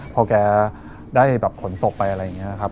พอแกได้แบบขนศพไปอะไรอย่างนี้ครับ